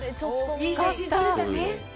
いい写真が撮れたね。